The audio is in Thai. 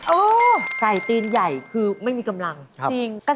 อุ๊ยไก่ตีนใหญ่คือไม่มีกำลังจริงครับ